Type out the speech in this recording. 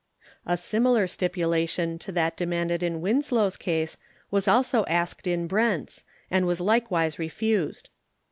A similar stipulation to that demanded in Winslow's case was also asked in Brent's, and was likewise refused.